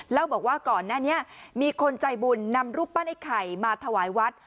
แล้วบอกว่าก่อนหน้านี้มีคนใจบุญนำรูปปั้นไอ้ไข่มาถวายวัด